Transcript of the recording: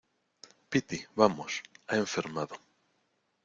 piti, vamos. ha enfermado .